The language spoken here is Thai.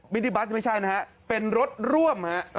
นิติบัสไม่ใช่นะฮะเป็นรถร่วมฮะ